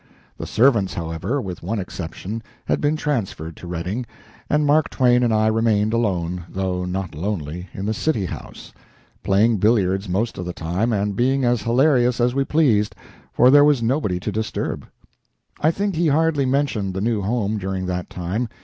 The servants, however, with one exception, had been transferred to Redding, and Mark Twain and I remained alone, though not lonely, in the city house; playing billiards most of the time, and being as hilarious as we pleased, for there was nobody to disturb. I think he hardly mentioned the new home during that time.